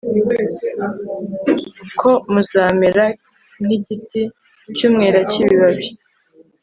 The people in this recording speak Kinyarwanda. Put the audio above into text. kuko muzamera nk'igiti cy'umwela cy'ibibabi